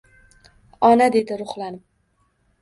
Ona dedi ruhlanib